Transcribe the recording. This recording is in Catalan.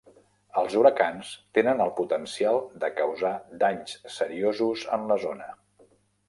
Els huracans tenen el potencial de causar danys seriosos en la zona.